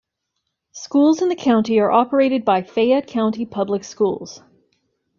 Schools in the county are operated by Fayette County Public Schools.